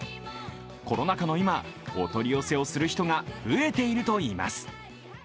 コロナ禍の今、お取り寄せをする人が増えているといいます。